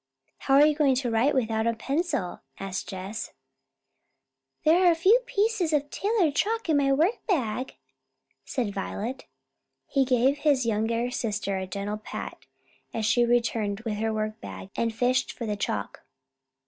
"How are you going to write without a pencil?" asked Jess. "There are pieces of tailor's chalk in my workbag," said Violet. Henry gave his younger sister a gentle pat, as she returned with her workbag and fished for the chalk.